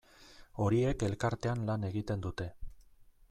Horiek elkartean lan egiten dute.